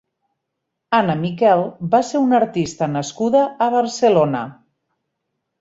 Anna Miquel va ser una artista nascuda a Barcelona.